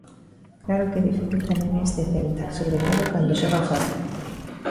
Claro que difícil tamén é este Celta, sobre todo cando xoga a fóra.